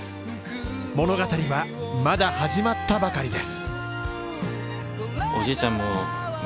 物語はまだ始まったばかりです。